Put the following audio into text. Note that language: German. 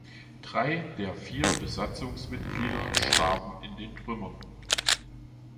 Drei der vier Besatzungsmitglieder starben in den Trümmern.